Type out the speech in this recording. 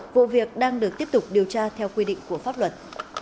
vụ việc đang được tiếp tục điều tra theo quy định của pháp luật